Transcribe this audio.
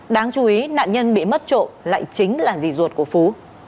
đáng chú ý nạn nhân bị mất trộm lại chính là gì ruột của phú